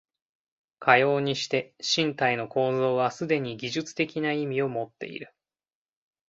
かようにして身体の構造はすでに技術的な意味をもっている。